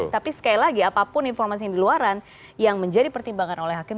tapi sekali lagi apapun informasi yang di luaran yang menjadi pertimbangan oleh hakim